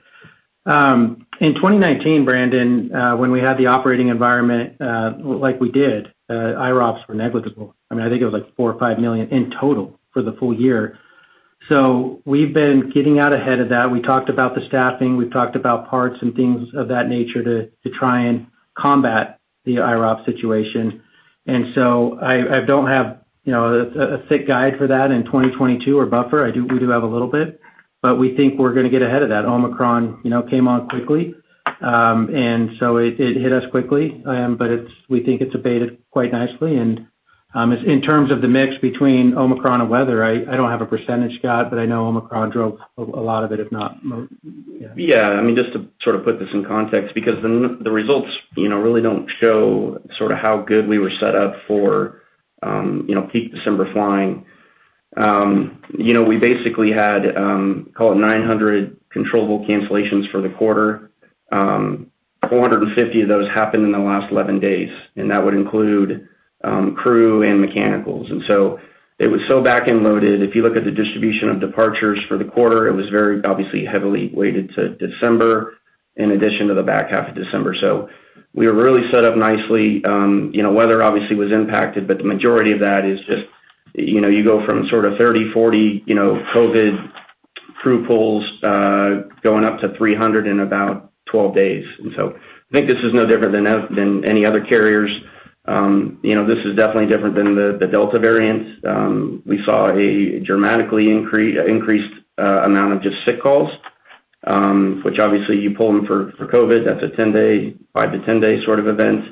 In 2019, Brandon, when we had the operating environment like we did, IROPS were negligible. I mean, I think it was like $4 or $5 million in total for the full year. We've been getting out ahead of that. We talked about the staffing. We've talked about parts and things of that nature to try and combat the IROP situation. I don't have a thick guide for that in 2022 or buffer. We do have a little bit, but we think we're gonna get ahead of that. Omicron came on quickly. It hit us quickly. We think it's abated quite nicely. In terms of the mix between Omicron and weather, I don't have a percentage, Scott, but I know Omicron drove a lot of it, if not more. Yeah. I mean, just to sort of put this in context because the results, you know, really don't show sort of how good we were set up for, you know, peak December flying. You know, we basically had, call it 900 controllable cancellations for the quarter. 450 of those happened in the last 11 days, and that would include, crew and mechanicals. It was so back-end loaded. If you look at the distribution of departures for the quarter, it was very obviously heavily weighted to December in addition to the back half of December. We were really set up nicely. You know, weather obviously was impacted, but the majority of that is just, you know, you go from sort of 30, 40, you know, COVID crew pools going up to 300 in about 12 days. I think this is no different than any other carriers. You know, this is definitely different than the Delta variant. We saw a dramatically increased amount of just sick calls, which obviously you pull them for COVID, that's a 10-day, five to 10-day sort of event.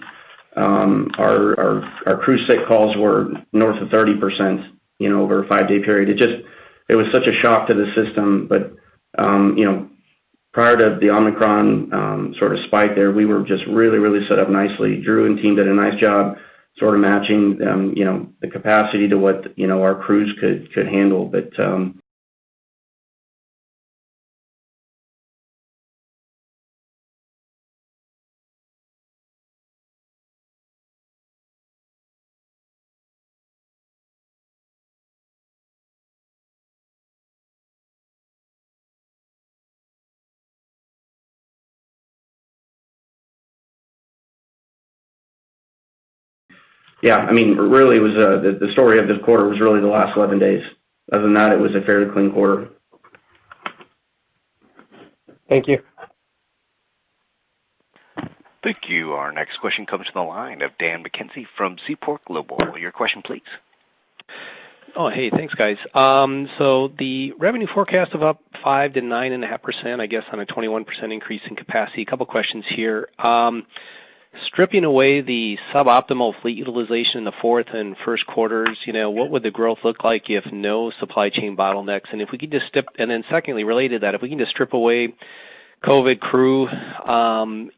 Our crew sick calls were north of 30%, you know, over a five-day period. It was such a shock to the system. But you know, prior to the Omicron sort of spike there, we were just really, really set up nicely. Drew and team did a nice job sort of matching, you know, the capacity to what, you know, our crews could handle. Yeah, I mean, really it was the story of this quarter was really the last 11 days. Other than that, it was a fairly clean quarter. Thank you. Thank you. Our next question comes from the line of Dan McKenzie from Seaport Global. Your question please. Oh, hey, thanks, guys. The revenue forecast of up 5%-9.5%, I guess, on a 21% increase in capacity. A couple questions here. Stripping away the suboptimal fleet utilization in the Q4 and Q1, you know, what would the growth look like if no supply chain bottlenecks? Secondly, related to that, if we can just strip away COVID crew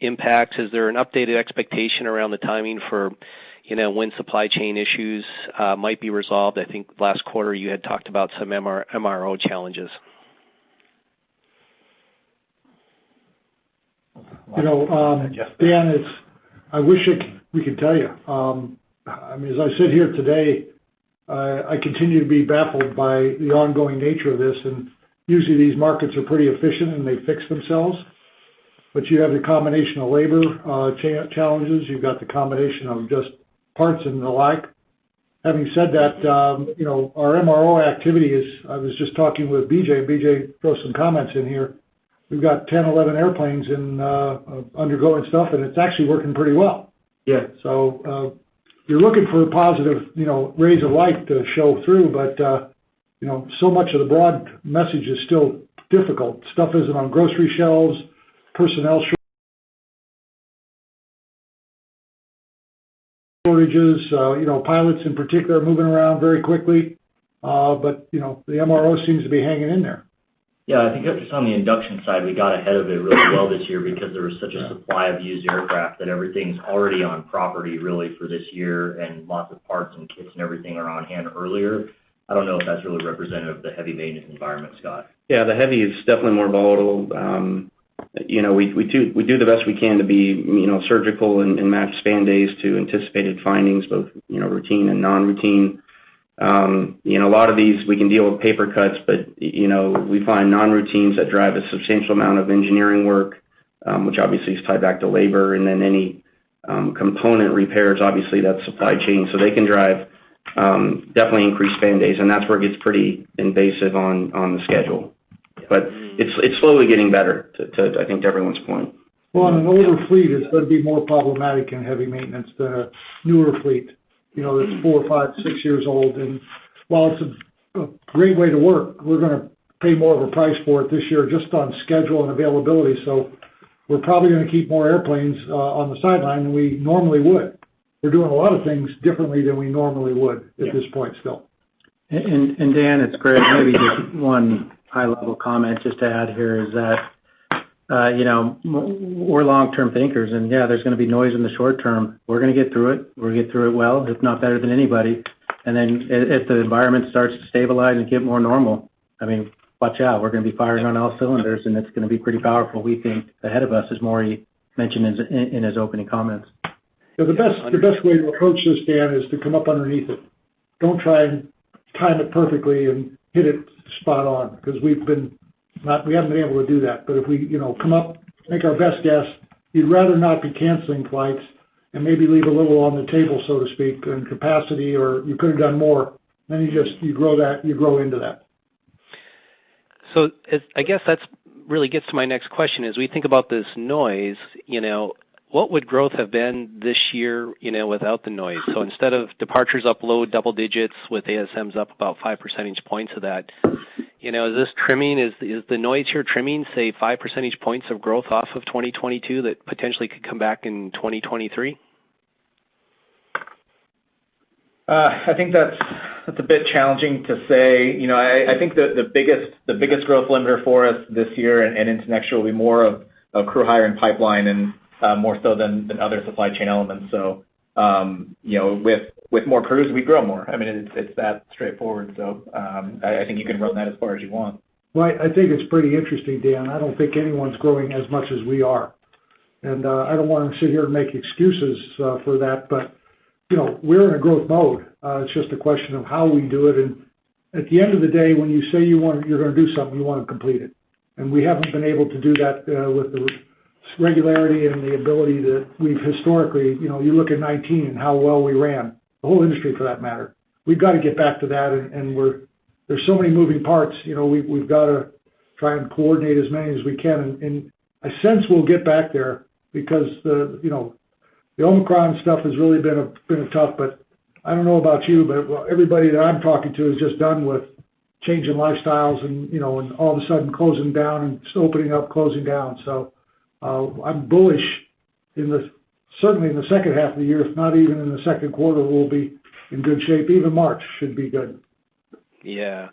impact, is there an updated expectation around the timing for, you know, when supply chain issues might be resolved? I think last quarter you had talked about some MRO challenges. You know, Dan, I wish we could tell you. I mean, as I sit here today, I continue to be baffled by the ongoing nature of this. Usually these markets are pretty efficient, and they fix themselves. But you have the combination of labor challenges. You've got the combination of just parts and the like. Having said that, you know, our MRO activity is, I was just talking with BJ, and BJ throw some comments in here. We've got 10, 11 airplanes in undergoing stuff, and it's actually working pretty well. Yeah. You're looking for a positive, you know, ray of light to show through, but, you know, so much of the broad message is still difficult. Stuff isn't on grocery shelves. Personnel shortages, you know, pilots in particular are moving around very quickly. But, you know, the MRO seems to be hanging in there. Yeah. I think just on the induction side, we got ahead of it really well this year because there was such a supply of used aircraft that everything's already on property really for this year, and lots of parts and kits and everything are on hand earlier. I don't know if that's really representative of the heavy maintenance environment, Scott. Yeah. The heavy is definitely more volatile. You know, we do the best we can to be, you know, surgical and match span days to anticipated findings, both, you know, routine and non-routine. You know, a lot of these we can deal with paper cuts, but, you know, we find non-routines that drive a substantial amount of engineering work, which obviously is tied back to labor. Any component repairs, obviously, that's supply chain. They can drive definitely increased span days, and that's where it gets pretty invasive on the schedule. It's slowly getting better to, I think, to everyone's point. Well, an older fleet is gonna be more problematic in heavy maintenance than a newer fleet, you know, that's four, five, six years old. While it's a great way to work, we're gonna pay more of a price for it this year just on schedule and availability. We're probably gonna keep more airplanes on the sideline than we normally would. We're doing a lot of things differently than we normally would at this point, Phil. Dan, it's Greg. Maybe just one high-level comment just to add here is that, you know, we're long-term thinkers, and yeah, there's gonna be noise in the short term. We're gonna get through it. We'll get through it well, if not better than anybody. If the environment starts to stabilize and get more normal, I mean, watch out, we're gonna be firing on all cylinders, and it's gonna be pretty powerful, we think, ahead of us, as Maury mentioned in his opening comments. The best way to approach this, Dan, is to come up underneath it. Don't try and time it perfectly and hit it spot on, 'cause we haven't been able to do that. If we, you know, come up, make our best guess, you'd rather not be canceling flights and maybe leave a little on the table, so to speak, in capacity or you could have done more, then you just, you grow that, you grow into that. It's I guess that's really gets to my next question is, we think about this noise, you know, what would growth have been this year, you know, without the noise? Instead of departures up low double digits with ASMs up about five percentage points of that, you know, is this trimming? Is the noise here trimming, say, five percentage points of growth off of 2022 that potentially could come back in 2023? I think that's a bit challenging to say. You know, I think the biggest growth limiter for us this year and into next year will be more of crew hiring pipeline and more so than other supply chain elements. You know, with more crews, we grow more. I mean, it's that straightforward. I think you can run that as far as you want. Well, I think it's pretty interesting, Dan. I don't think anyone's growing as much as we are. I don't wanna sit here and make excuses for that, but, you know, we're in a growth mode. It's just a question of how we do it. At the end of the day, when you say you're gonna do something, you wanna complete it. We haven't been able to do that with the regularity and the ability that we've historically. You know, you look at 2019 and how well we ran, the whole industry for that matter. We've got to get back to that, and we're. There's so many moving parts. You know, we've got to try and coordinate as many as we can. I sense we'll get back there because, you know, the Omicron stuff has really been a tough. I don't know about you, but everybody that I'm talking to is just done with changing lifestyles and, you know, and all of a sudden closing down and just opening up, closing down. I'm bullish certainly in the H2 of the year. If not even in the Q2, we'll be in good shape. Even March should be good. Yeah.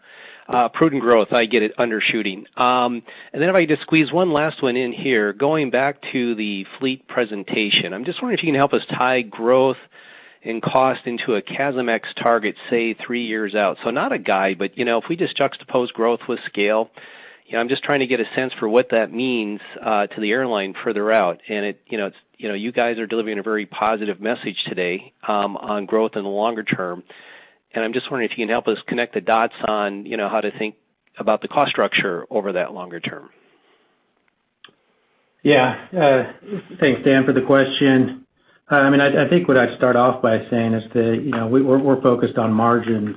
Prudent growth, I get it, undershooting. Then if I just squeeze one last one in here, going back to the fleet presentation, I'm just wondering if you can help us tie growth and cost into a CASM-ex target, say, three years out. Not a guide, but, you know, if we just juxtapose growth with scale, you know, I'm just trying to get a sense for what that means to the airline further out. You know, you guys are delivering a very positive message today on growth in the longer term. I'm just wondering if you can help us connect the dots on, you know, how to think about the cost structure over that longer term. Yeah. Thanks, Dan, for the question. I mean, I think what I'd start off by saying is that, you know, we're focused on margins,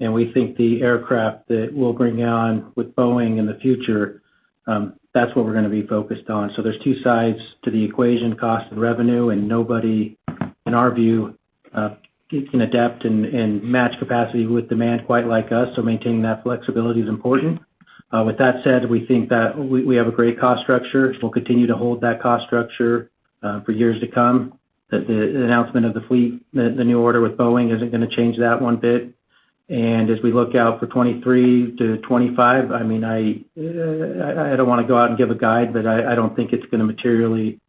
and we think the aircraft that we'll bring on with Boeing in the future, that's what we're gonna be focused on. There's two sides to the equation, cost and revenue, and nobody in our view can adapt and match capacity with demand quite like us, so maintaining that flexibility is important. With that said, we think that we have a great cost structure, which we'll continue to hold, for years to come. The announcement of the fleet, the new order with Boeing isn't gonna change that one bit. As we look out for 2023 to 2025, I mean, I don't wanna go out and give a guide, but I don't think it's gonna materially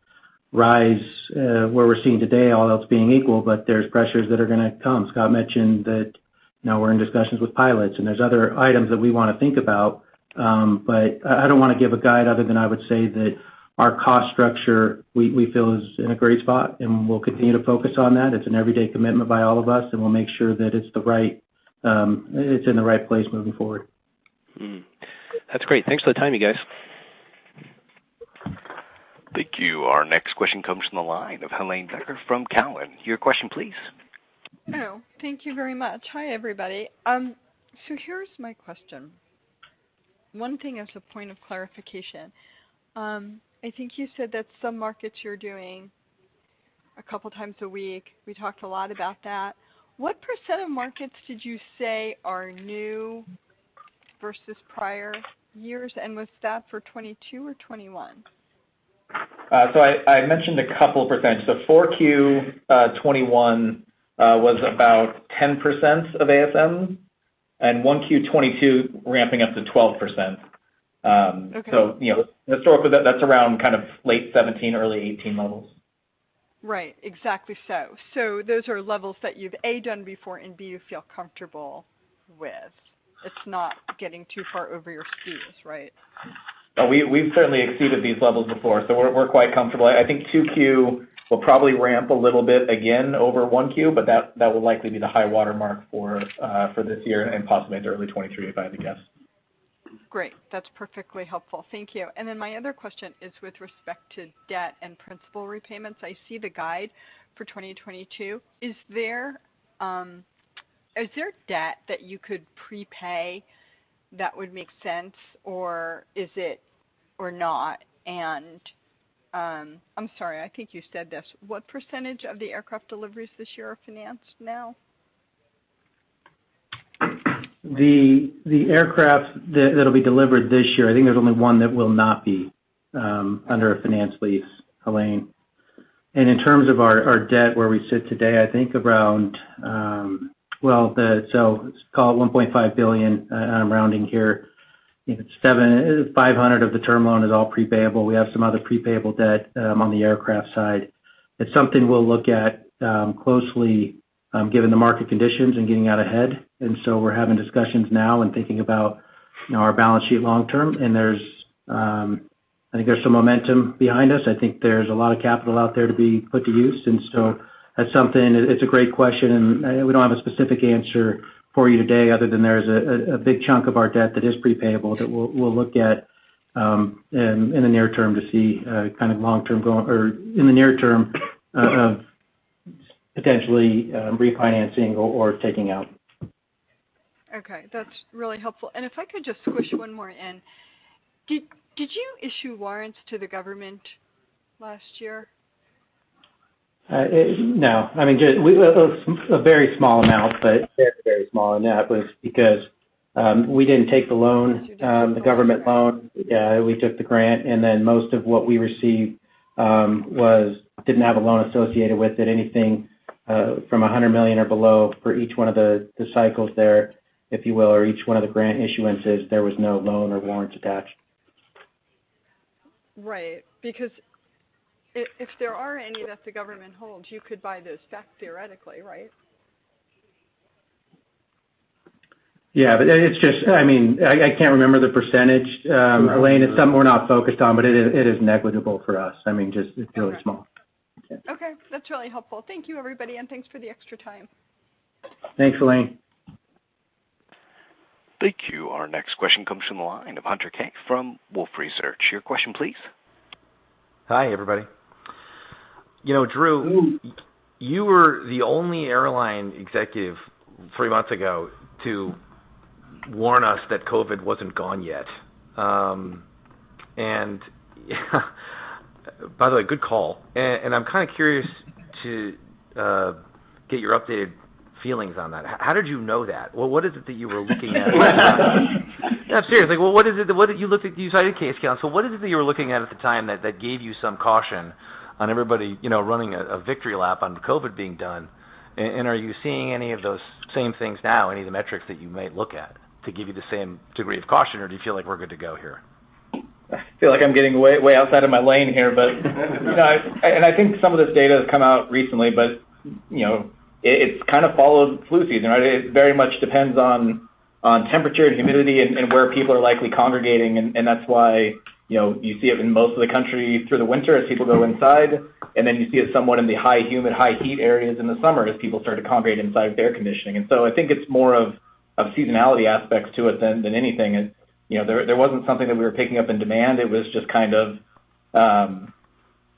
rise, where we're seeing today, all else being equal, but there's pressures that are gonna come. Scott mentioned that, you know, we're in discussions with pilots, and there's other items that we wanna think about. But I don't wanna give a guide other than I would say that our cost structure, we feel is in a great spot, and we'll continue to focus on that. It's an everyday commitment by all of us, and we'll make sure that it's in the right place moving forward. That's great. Thanks for the time, you guys. Thank you. Our next question comes from the line of Helane Becker from Cowen. Your question please. Hello. Thank you very much. Hi, everybody. Here's my question. One thing as a point of clarification, I think you said that some markets you're doing a couple times a week. We talked a lot about that. What % of markets did you say are new versus prior years, and was that for 2022 or 2021? I had mentioned a couple of percents. 4Q 2021 was about 10% of ASM, and 1Q 2022 ramping up to 12%. Okay. You know, historically that's around kind of late 2017, early 2018 levels. Right. Exactly so. Those are levels that you've, A, done before, and B, you feel comfortable with. It's not getting too far over your skis, right? No, we've certainly exceeded these levels before, so we're quite comfortable. I think 2Q will probably ramp a little bit again over 1Q, but that will likely be the high watermark for this year and possibly into early 2023, if I had to guess. Great. That's perfectly helpful. Thank you. My other question is with respect to debt and principal repayments. I see the guide for 2022. Is there debt that you could prepay that would make sense, or is it or not? I'm sorry, I think you said this. What percentage of the aircraft deliveries this year are financed now? The aircraft that'll be delivered this year, I think there's only one that will not be under a finance lease, Helane. In terms of our debt, where we sit today, I think around $1.5 billion, and I'm rounding here. I think it's $750 million of the term loan is all pre-payable. We have some other pre-payable debt on the aircraft side. It's something we'll look at closely given the market conditions and getting out ahead. We're having discussions now and thinking about you know our balance sheet long term. There's some momentum behind us. I think there's a lot of capital out there to be put to use. That's something. It's a great question, and we don't have a specific answer for you today other than there's a big chunk of our debt that is pre-payable that we'll look at in the near term or in the near term potentially refinancing or taking out. Okay, that's really helpful. If I could just squish one more in. Did you issue warrants to the government last year? No. I mean, just a very small amount, but very, very small amount was because we didn't take the loan, the government loan. We took the grant, and then most of what we received didn't have a loan associated with it. Anything from $100 million or below for each one of the cycles there, if you will, or each one of the grant issuances, there was no loan or warrants attached. Right. Because if there are any that the government holds, you could buy those back theoretically, right? Yeah. It's just, I mean, I can't remember the percentage, Helane. It's something we're not focused on, but it is negligible for us. I mean, just it's really small. Okay. That's really helpful. Thank you, everybody, and thanks for the extra time. Thanks, Helane. Thank you. Our next question comes from the line of Hunter Keay from Wolfe Research. Your question please. Hi, everybody. You know, Drew, you were the only airline executive three months ago to warn us that COVID wasn't gone yet. By the way, good call. I'm kind of curious to get your updated feelings on that. How did you know that? What was it that you were looking at? No, seriously. Well, what did you look at? You cited case count, so what is it that you were looking at at the time that gave you some caution on everybody, you know, running a victory lap on COVID being done? Are you seeing any of those same things now, any of the metrics that you might look at to give you the same degree of caution, or do you feel like we're good to go here? I feel like I'm getting way outside of my lane here, but no, and I think some of this data has come out recently, but, you know, it's kind of followed flu season, right? It very much depends on temperature and humidity and where people are likely congregating. That's why, you know, you see it in most of the country through the winter as people go inside, and then you see it somewhat in the high humidity, high heat areas in the summer as people start to congregate inside air conditioning. I think it's more of seasonality aspects to it than anything. You know, there wasn't something that we were picking up in demand. It was just kind of,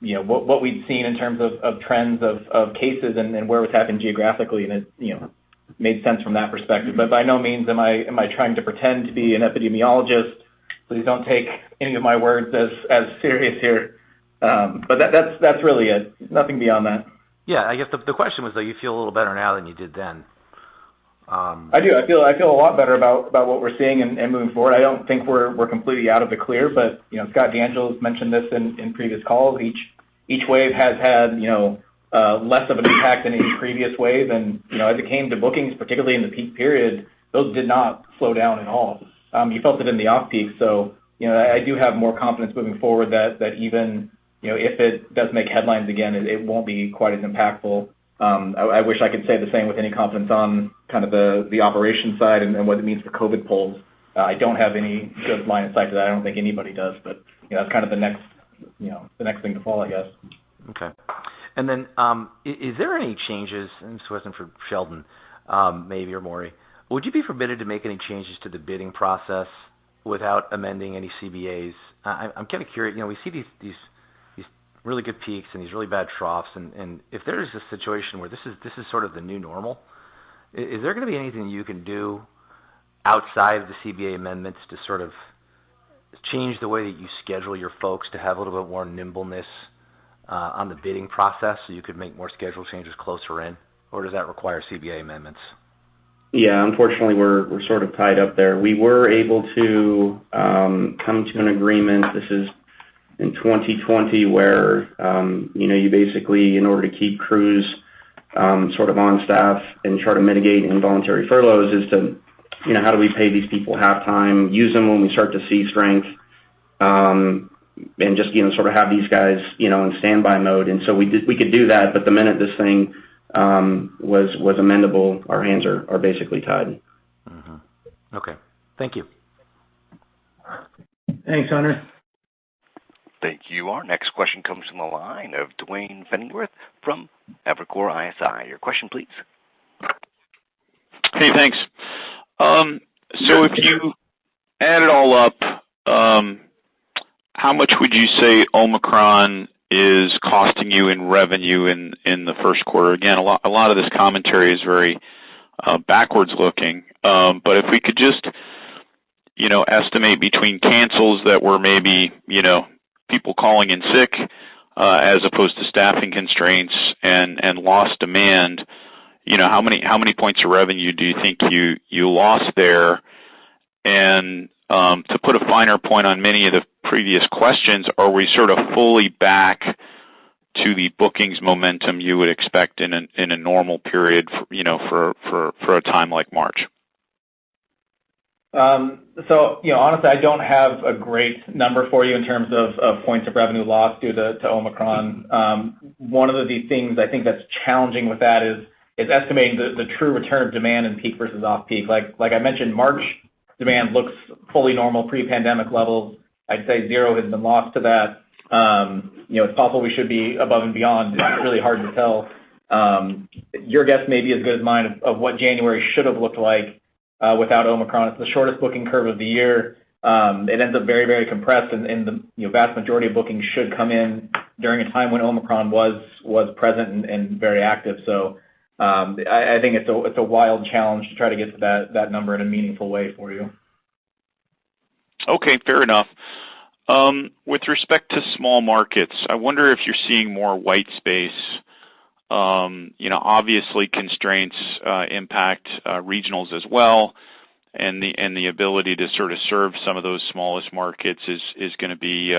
you know, what we'd seen in terms of trends of cases and where it was happening geographically, and it, you know, made sense from that perspective. By no means am I trying to pretend to be an epidemiologist. Please don't take any of my words as serious here. That's really it. Nothing beyond that. Yeah. I guess the question was that you feel a little better now than you did then. I do. I feel a lot better about what we're seeing and moving forward. I don't think we're completely out of the clear, but you know, Scott DeAngelo's mentioned this in previous calls. Each wave has had you know, less of an impact than any previous wave. You know, as it came to bookings, particularly in the peak period, those did not slow down at all. You felt it in the off-peak. You know, I do have more confidence moving forward that even you know, if it does make headlines again, it won't be quite as impactful. I wish I could say the same with any confidence on kind of the operation side and what it means for COVID pools. I don't have any good line of sight to that. I don't think anybody does. You know, that's kind of the next, you know, the next thing to fall, I guess. Okay. Is there any changes, and this wasn't for Sheldon, maybe or Maury, would you be permitted to make any changes to the bidding process without amending any CBAs? I'm kind of curious. You know, we see these really good peaks and these really bad troughs, if there is a situation where this is sort of the new normal, is there gonna be anything you can do outside the CBA amendments to sort of change the way that you schedule your folks to have a little bit more nimbleness on the bidding process, so you could make more schedule changes closer in? Or does that require CBA amendments? Yeah. Unfortunately, we're sort of tied up there. We were able to come to an agreement, this is in 2020, where you know, you basically, in order to keep crews sort of on staff and try to mitigate involuntary furloughs, is to you know, how do we pay these people half-time, use them when we start to see strength, and just you know, sort of have these guys you know, in standby mode. We could do that, but the minute this thing was amendable, our hands are basically tied. Okay. Thank you. Thanks, Hunter. Thank you. Our next question comes from the line of Duane Pfennigwerth from Evercore ISI. Your question please. Hey, thanks. So if you add it all up, how much would you say Omicron is costing you in revenue in the Q1? Again, a lot of this commentary is very backwards looking. But if we could just, you know, estimate between cancels that were maybe, you know, people calling in sick, as opposed to staffing constraints and lost demand, you know, how many points of revenue do you think you lost there? To put a finer point on many of the previous questions, are we sort of fully back to the bookings momentum you would expect in a normal period, you know, for a time like March? You know, honestly, I don't have a great number for you in terms of points of revenue lost due to Omicron. One of the things I think that's challenging with that is estimating the true return of demand in peak versus off-peak. Like I mentioned, March demand looks fully normal pre-pandemic levels. I'd say zero has been lost to that. You know, it's possible we should be above and beyond. It's really hard to tell. Your guess may be as good as mine of what January should have looked like without Omicron. It's the shortest booking curve of the year. It ends up very compressed and the vast majority of bookings should come in during a time when Omicron was present and very active. I think it's a wild challenge to try to get to that number in a meaningful way for you. Okay, fair enough. With respect to small markets, I wonder if you're seeing more white space. You know, obviously constraints impact regionals as well, and the ability to sort of serve some of those smallest markets is gonna be,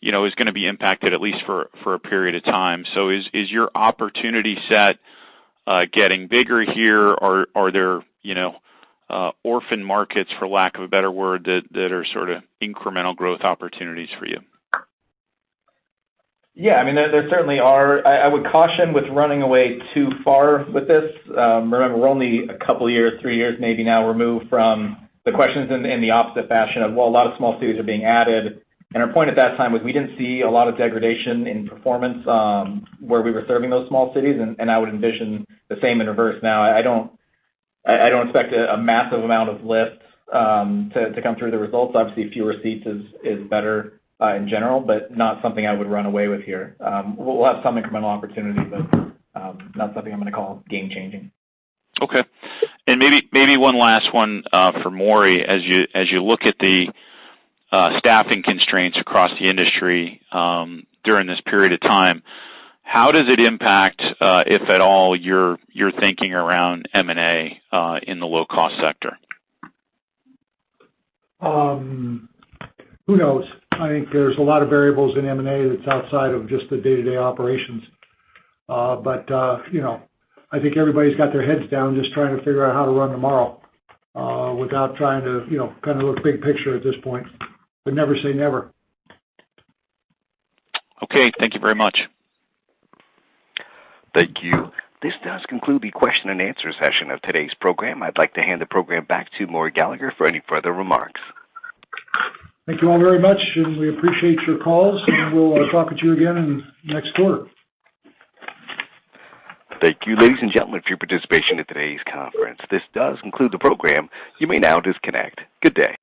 you know, impacted at least for a period of time. Is your opportunity set getting bigger here? Are there, you know, orphan markets, for lack of a better word, that are sorta incremental growth opportunities for you? Yeah, I mean, there certainly are. I would caution with running away too far with this. Remember, we're only a couple years, three years maybe now removed from the questions in the opposite fashion of, well, a lot of small cities are being added. Our point at that time was we didn't see a lot of degradation in performance, where we were serving those small cities, and I would envision the same in reverse now. I don't expect a massive amount of lift to come through the results. Obviously, fewer seats is better in general, but not something I would run away with here. We'll have some incremental opportunities, but not something I'm gonna call game changing. Okay. Maybe one last one for Maury. As you look at the staffing constraints across the industry during this period of time, how does it impact, if at all, your thinking around M&A in the low cost sector? Who knows? I think there's a lot of variables in M&A that's outside of just the day-to-day operations. You know, I think everybody's got their heads down just trying to figure out how to run tomorrow without trying to, you know, kind of look big picture at this point. Never say never. Okay, thank you very much. Thank you. This does conclude the question and answer session of today's program. I'd like to hand the program back to Maury Gallagher for any further remarks. Thank you all very much, and we appreciate your calls, and we'll talk with you again in the next quarter. Thank you, ladies and gentlemen, for your participation in today's conference. This does conclude the program. You may now disconnect. Good day.